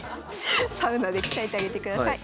サウナで鍛えてあげてください。